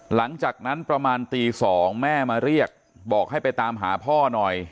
หลังจากนั้นประมาณตี๒แม่มาเรียกบอกให้ไปตามหาพ่อหน่อย